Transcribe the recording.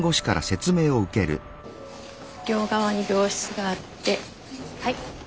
両側に病室があってはい。